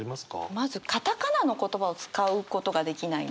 まずカタカナの言葉を使うことができないので。